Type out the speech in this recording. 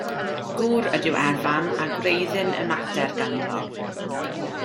Gŵr ydyw Evan a gwreiddyn y mater ganddo.